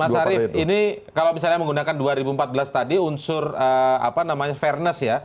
mas arief ini kalau misalnya menggunakan dua ribu empat belas tadi unsur apa namanya fairness ya